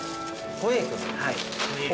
ホエイ君。